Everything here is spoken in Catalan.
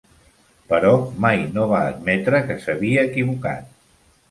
Però mai no va admetre que s'havia equivocat.